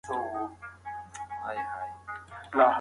که څوک استعمال ونکړي، الله به پرې رحم وکړي.